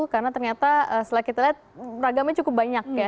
karena ternyata setelah kita lihat ragamnya cukup banyak ya